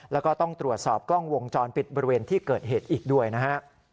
แล้วก็ต้องตรวจสอบกล้องวงจรปิดบริเวณที่เกิดเหตุอีกด้วยนะฮะ